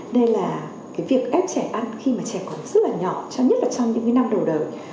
đây là cái việc ép trẻ ăn khi mà trẻ còn rất là nhỏ cho nhất là trong những năm đầu đời